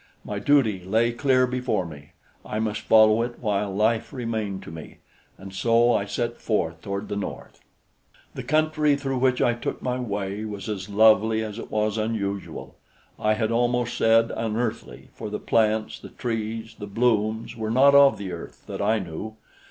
My duty lay clear before me; I must follow it while life remained to me, and so I set forth toward the north. The country through which I took my way was as lovely as it was unusual I had almost said unearthly, for the plants, the trees, the blooms were not of the earth that I knew.